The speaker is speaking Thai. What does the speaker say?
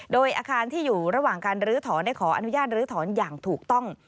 โดยอาคารที่อยู่ระหว่างการลื้อถอนได้ขออนุญาตลื้อถอนอย่างถูกต้อง